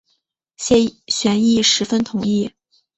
谢玄亦十分同意。